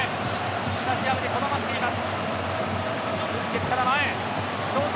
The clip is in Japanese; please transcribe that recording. スタジアムにこだましています。